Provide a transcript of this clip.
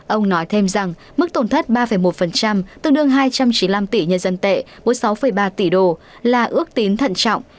ông nói thêm rằng mức tổn thất ba một tương đương hai trăm chín mươi năm tỷ nhân dân tệ với sáu ba tỷ đô là ước tính thận trọng